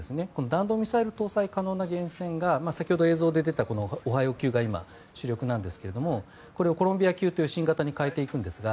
弾道ミサイル搭載可能な原潜が先ほど映像で見た「オハイオ」級が今、主力ですがこれを「コロンビア」級という新型に変えていくんですが。